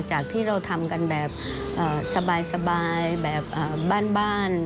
จากที่เราทำกันแบบสบายแบบบ้าน